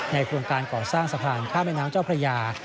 โครงการก่อสร้างสะพานข้ามแม่น้ำเจ้าพระยา